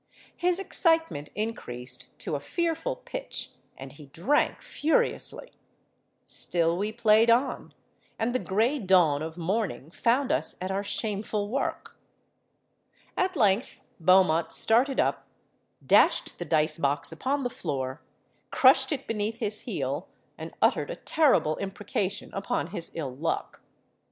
His excitement increased to a fearful pitch, and he drank furiously. Still we played on, and the grey dawn of morning found us at our shameful work. At length Beaumont started up, dashed the dice box upon the floor, crushed it beneath his heel, and uttered a terrible imprecation upon his ill luck.